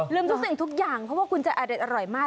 ลืมทุกสิ่งทุกอย่างเพราะว่าคุณจะอร่อยมาก